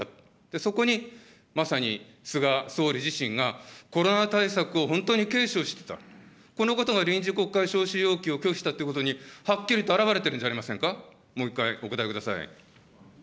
そこにまさに菅総理自身が、コロナ対策を本当に軽視をしていた、このことが臨時国会召集要求を拒否したっていうことに、はっきりと表れているんじゃありませんか。